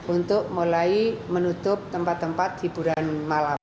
untuk mulai menutup tempat tempat hiburan malam